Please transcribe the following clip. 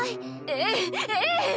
ええええ！